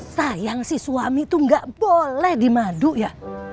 sayang sih suami tuh gak boleh di madu ya